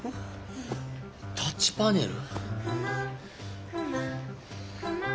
タッチパネル？